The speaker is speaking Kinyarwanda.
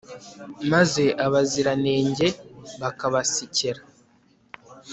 maze abaziranenge bakabasekera